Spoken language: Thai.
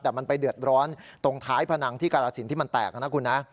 แต่มันไปเดือดร้อนตรงท้ายพนังที่กรสินที่มันแตกนะคุณนะ